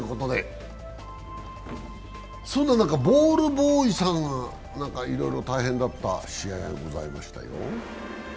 そんな中、ボールボーイさんがいろいろ大変だった試合がありましたよ。